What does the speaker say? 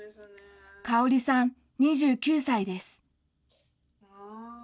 かおりさん２９歳です。